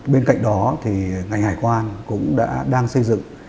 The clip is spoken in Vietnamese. bên cạnh đó thì ngành hải quan cũng đã đang xây dựng